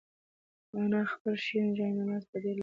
انا خپل شین جاینماز په ډېرې لړزې سره غونډ کړ.